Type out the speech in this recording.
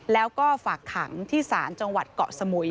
แล้วก็ฝากขังที่ศาลจังหวัดเกาะสมุย